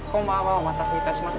お待たせいたしました。